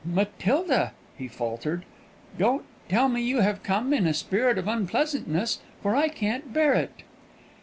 "Matilda," he faltered, "don't tell me you have come in a spirit of unpleasantness, for I can't bear it."